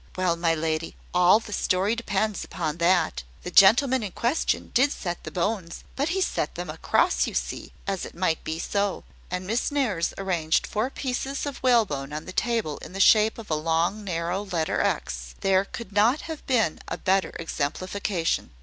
"Well, my lady, all the story depends upon that. The gentleman in question did set the bones; but he set them across, you see, as it might be so." And Miss Nares arranged four pieces of whalebone on the table in the shape of a long, narrow letter X; there could not have been a better exemplification.